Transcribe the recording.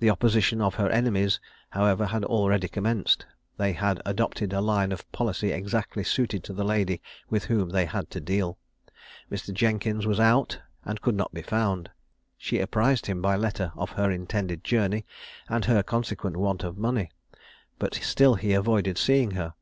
The opposition of her enemies, however, had already commenced; they had adopted a line of policy exactly suited to the lady with whom they had to deal. Mr. Jenkins was out, and could not be found. She apprised him, by letter, of her intended journey, and her consequent want of money; but still he avoided seeing her.